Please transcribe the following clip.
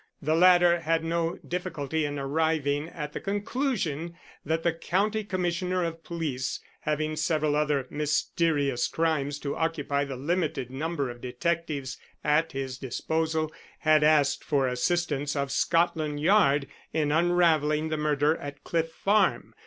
The latter had no difficulty in arriving at the conclusion that the County Commissioner of Police, having several other mysterious crimes to occupy the limited number of detectives at his disposal, had asked for the assistance of Scotland Yard in unravelling the murder at Cliff Farm.